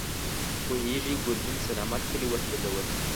پوهېږې، ګرګين سلامت کلي وسوځول.